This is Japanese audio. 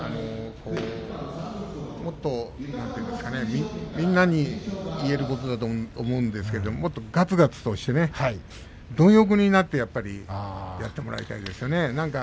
もっとみんなに言えることだと思うんですがもっと、がつがつと貪欲になってやってもらいたいですよね。